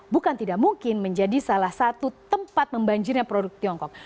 bukan tidak mungkin menjadi salah satu tempat membanjirnya produk tiongkok